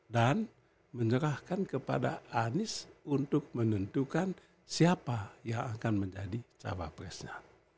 dan menyerahkan kepada anies untuk menentukan siapa yang akan menjadi caba presnya